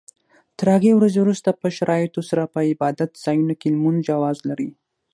تر هغې ورځې وروسته په شرایطو سره په عبادت ځایونو کې لمونځ جواز لري.